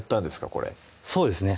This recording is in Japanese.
これそうですね